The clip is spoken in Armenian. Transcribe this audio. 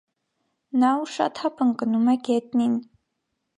Նա ուշաթափ ընկնում է գետնին։